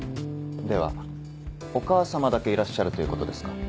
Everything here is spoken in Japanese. ではお母様だけいらっしゃるということですか？